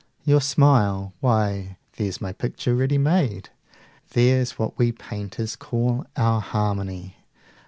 You smile? why, there's my picture ready made, There's what we painters call our harmony!